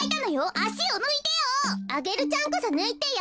アゲルちゃんこそぬいてよ。